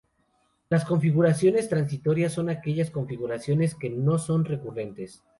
Las configuraciones transitorias son aquellas configuraciones que no son recurrentes.